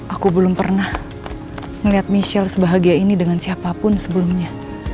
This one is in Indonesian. aku belum pernah melihat michelle sebahagia ini dengan siapapun sebelumnya